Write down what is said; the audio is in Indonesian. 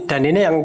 dan ini yang